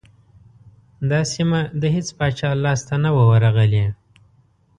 دا سیمه د هیڅ پاچا لاسته نه وه ورغلې.